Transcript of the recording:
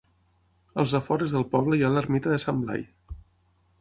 Als afores del poble hi ha l'Ermita de Sant Blai.